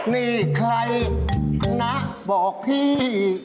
นี่ใครนะบอกพี่